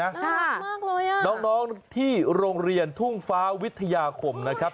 น่ารักมากเลยอ่ะน้องที่โรงเรียนทุ่งฟ้าวิทยาคมนะครับ